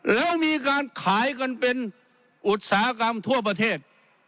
แล้วมีการขายกันเป็นอุตสาหกรรมทั่วประเทศ